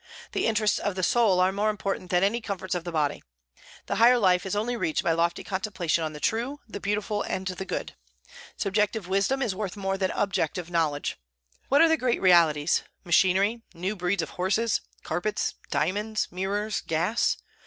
The interests of the soul are more important than any comforts of the body. The higher life is only reached by lofty contemplation on the true, the beautiful, and the good. Subjective wisdom is worth more than objective knowledge. What are the great realities, machinery, new breeds of horses, carpets, diamonds, mirrors, gas?